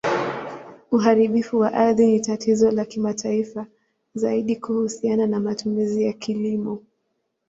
Uharibifu wa ardhi ni tatizo la kimataifa, zaidi kuhusiana na matumizi ya kilimo.